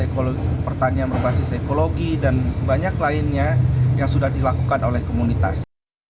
ekologi pertanian berbasis ekologi dan banyak lainnya yang sudah dilakukan oleh komunitas